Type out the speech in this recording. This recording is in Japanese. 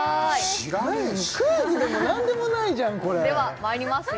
知らねえしクイズでも何でもないじゃんこれではまいりますよ